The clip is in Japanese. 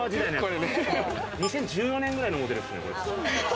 ２０１４年ぐらいのモデルですね。